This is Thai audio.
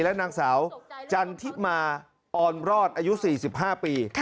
และนางสาวจันทิมาออนรอดอายุ๔๕ปี